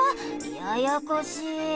ややこしい。